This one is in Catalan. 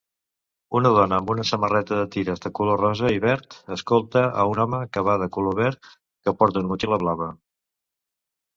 Una dona amb una samarreta de tires de color rosa i verd escolta a un home que va de color verd que porta una motxilla blava.